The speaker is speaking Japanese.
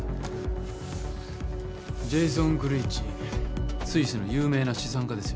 ジェイソン・グリーチスイスの有名な資産家ですよ